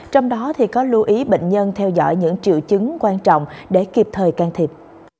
trong đó có lưu ý bệnh nhân theo dõi những triệu chứng quan trọng để kịp thời can thiệp